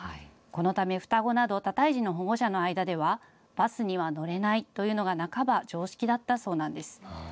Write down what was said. このため双子など多胎児の保護者の間ではバスには乗れないというのが半ば常識だったそうなんです。